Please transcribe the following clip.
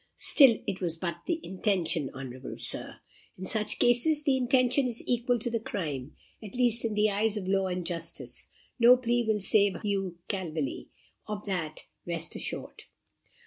"Still, it was but the intention, honourable Sir!" "In such cases, the intention is equal to the crime at least in the eyes of law and justice. No plea will save Hugh Calveley. Of that rest assured."